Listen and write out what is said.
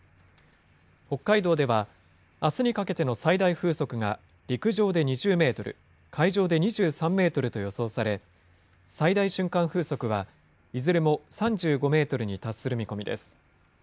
北海道ではあすにかけての最大風速が陸上で２０メートル、海上で２３メートルと予想され、最大瞬間風速はいずれも３５メートルに達する見込みです。